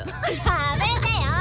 やめてよ。